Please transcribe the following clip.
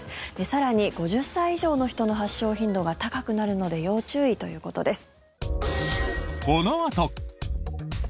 更に５０歳以上の人の発症頻度が高くなるので要注意ということです。